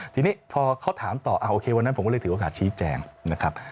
ทีนี้พอเขาถามต่อโอเควันนั้นผมก็เลยถือโอกาสชี้แจงนะครับ